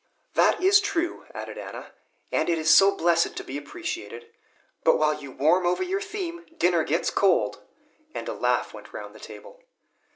"That is true," added Anna, "and it is so blessed to be appreciated. But while you warm over your theme, dinner gets cold!" and a laugh went round the table.